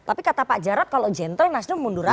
tapi kata pak jarad kalau jentol nasdem mundur saja